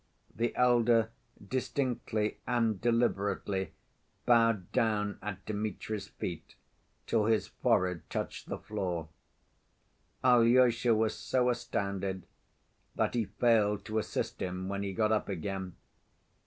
The elder distinctly and deliberately bowed down at Dmitri's feet till his forehead touched the floor. Alyosha was so astounded that he failed to assist him when he got up again.